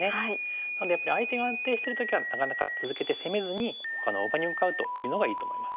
なのでやっぱり相手が安定してる時はなかなか続けて攻めずにほかの大場に向かうというのがいいと思います。